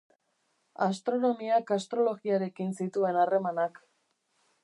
Astronomiak astrologiarekin zituen harremanak.